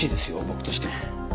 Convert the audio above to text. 僕としても。